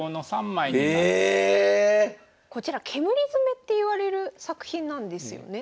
こちら煙詰っていわれる作品なんですよね。